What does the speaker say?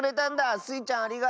スイちゃんありがとう！